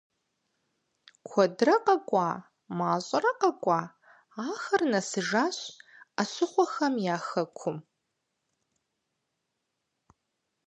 Куэдрэ къэкӀуа, мащӀэрэ къэкӀуа, ахэр нэсыжащ Ӏэщыхъуэхэм я хэкум.